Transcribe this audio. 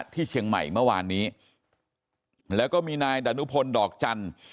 ที่เชียงใหม่เมื่อวานนี้แล้วก็มีนายดานุพลดอกจันทร์